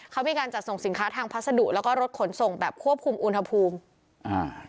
เขามีการจัดส่งสินค้าทางพัสดุแล้วก็รถขนส่งแบบควบคุมอุณหภูมิอ่า